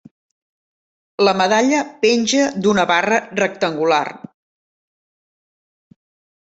La medalla penja d'una barra rectangular.